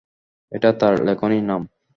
এটা তার লেখনী নাম।